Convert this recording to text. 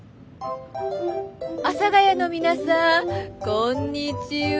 阿佐ヶ谷の皆さんこんにちは。